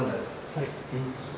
はい。